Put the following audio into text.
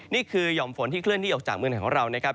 นี่คือยอมฝนที่เคลื่อนที่ออกจากเมืองแหน่งของเรา